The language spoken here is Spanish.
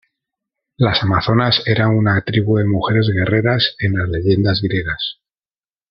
Las Amazonas eran una tribu de mujeres guerreras en las leyendas griegas.